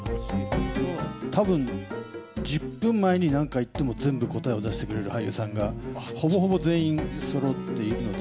たぶん１０分前になんか言っても全部答えを出してくれる俳優さんが、ほぼほぼ全員そろっているので。